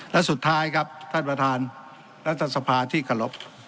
และสุดท้ายครับท่านประธานรัฐสภาที่เคารพ